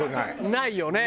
ないよね？